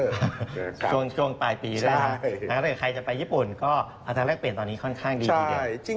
ช่วงปลายปีแล้วถ้าเกิดใครจะไปญี่ปุ่นก็อัตราแรกเปลี่ยนตอนนี้ค่อนข้างดีทีเดียว